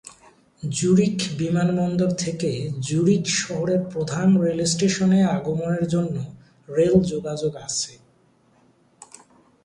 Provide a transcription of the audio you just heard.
জুরিখ বিমানবন্দর থেকে জুরিখ শহরের প্রধান রেলস্টেশনে আগমনের জন্য রেল যোগাযোগ আছে।